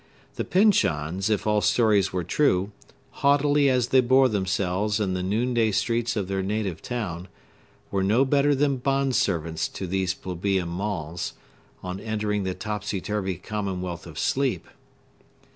The Pyncheons, if all stories were true, haughtily as they bore themselves in the noonday streets of their native town, were no better than bond servants to these plebeian Maules, on entering the topsy turvy commonwealth of sleep.